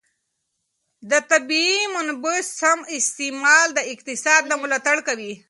د طبیعي منابعو سم استعمال د اقتصاد ملاتړ کوي.